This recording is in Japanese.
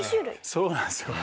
そうなんですよ。